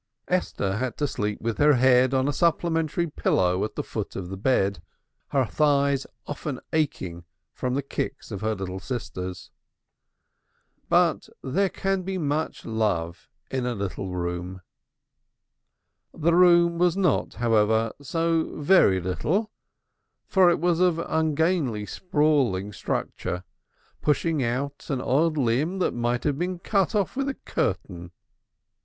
Esther had to sleep with her head on a supplementary pillow at the foot of the bed. But there can be much love in a little room. The room was not, however, so very little, for it was of ungainly sprawling structure, pushing out an odd limb that might have been cut off with a curtain.